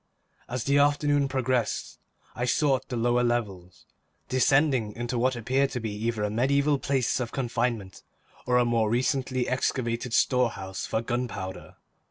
As the afternoon progressed, I sought the lower levels, descending into what appeared to be either a mediaeval place of confinement, or a more recently excavated storehouse for gunpowder.